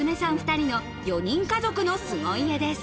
２人の４人家族の凄家です。